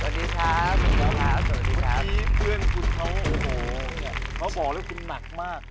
หนักเลยเหรอครับ